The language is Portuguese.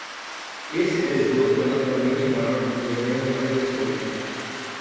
Esse desgosto é naturalmente maior quando o governo é mais absoluto.